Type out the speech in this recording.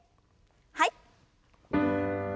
はい。